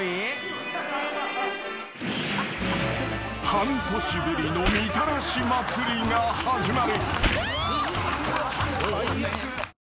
［半年ぶりのみたらし祭りが始まる］